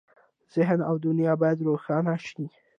ذهن او دنیا باید روښانه شي.